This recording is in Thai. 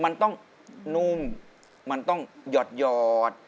มันต้องนุ่มมันต้องหยอด